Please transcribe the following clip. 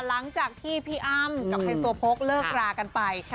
หลังจากที่พี่อ้ำกับไฮโซโพกเลิกรากันไป